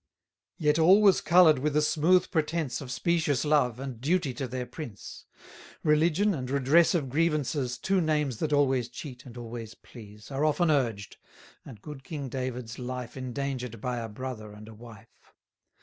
Yet all was colour'd with a smooth pretence Of specious love, and duty to their prince. Religion, and redress of grievances, Two names that always cheat, and always please, Are often urged; and good king David's life Endanger'd by a brother and a wife.